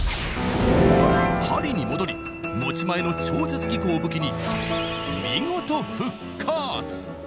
パリに戻り持ち前の超絶技巧を武器に見事復活！